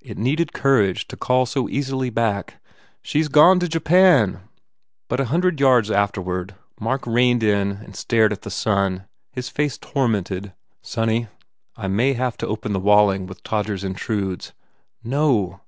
It needed cour age to call so easily back, "She s gone to Japan." But a hundred yards afterward Mark reined in and stared at the sun, his face tormented. 280 TH E WALLING "Sonny, I may have to open the Walling with Todgers Intrudes ." "No!"